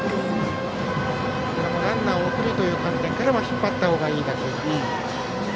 ランナーを送るという観点からは引っ張ったほうがいい打球。